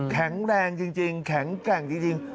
แข็งแรงจริงแข็งแกร่งจริง